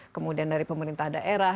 kemudian dari pemerintah daerah